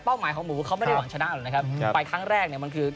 หมายของหมูเขาไม่ได้หวังชนะหรอกนะครับไปครั้งแรกเนี่ยมันคือ